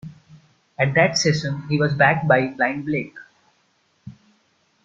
At that session he was backed by Blind Blake.